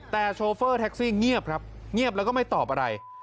แต่โชเฟอร์แท็กซี่เงียบครับเงียบแล้วก็ไม่ตอบอะไร